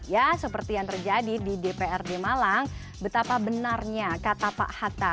ya seperti yang terjadi di dprd malang betapa benarnya kata pak hatta